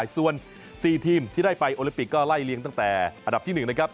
ส่วน๔ทีมที่ได้ไปโอลิปิกก็ไล่เลี้ยงตั้งแต่อันดับที่๑นะครับ